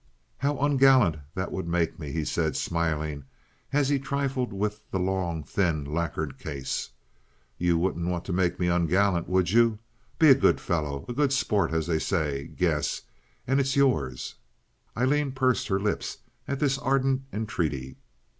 "How ungallant that would make me!" he said, smilingly, as he trifled with the long, thin, lacquered case. "You wouldn't want to make me ungallant, would you? Be a good fellow—a good sport, as they say. Guess, and it's yours." Aileen pursed her lips at this ardent entreaty.